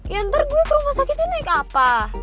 ya ntar gue ke rumah sakitnya naik apa